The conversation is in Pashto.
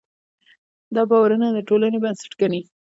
دا باورونه د ټولنې بنسټ ګڼي.